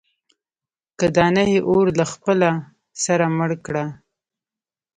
که دانا يې اور له خپله سره مړ کړه.